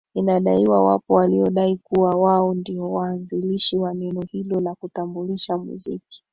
Inadaiwa wapo waliodai kuwa wao ndiyo waanzilishi wa neno hilo la kutambulisha muziki